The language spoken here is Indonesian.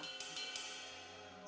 jadi sekolah saya yang menang